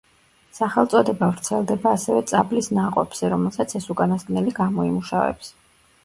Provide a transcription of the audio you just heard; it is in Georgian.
სახელწოდება ვრცელდება ასევე წაბლის ნაყოფზე, რომელსაც ეს უკანასკნელი გამოიმუშავებს.